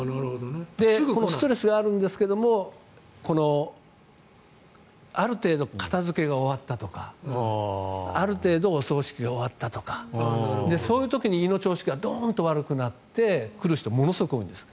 ストレスがあるんですけどもある程度、片付けが終わったとかある程度、お葬式が終わったとかそういう時に胃の調子がドーンと悪くなってくる人ってものすごく多いんです。